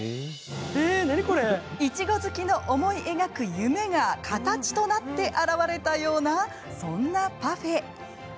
いちご好きの思い描く夢が形となって表れたようなそんなパフェ。